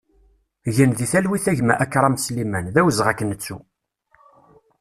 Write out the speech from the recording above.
Gen di talwit a gma Akram Sliman, d awezɣi ad k-nettu!